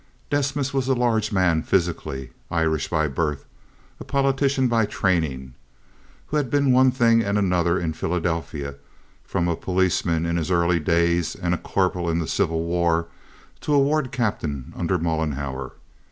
Desmas was a large man physically—Irish by birth, a politician by training—who had been one thing and another in Philadelphia from a policeman in his early days and a corporal in the Civil War to a ward captain under Mollenhauer.